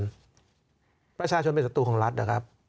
ทำไมรัฐต้องเอาเงินภาษีประชาชนไปจ้างกำลังผลมาโจมตีประชาชน